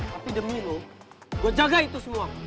tapi demi lo gue jaga itu semua